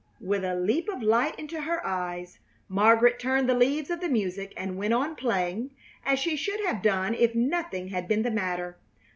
With a leap of light into her eyes Margaret turned the leaves of the music and went on playing as she should have done if nothing had been the matter.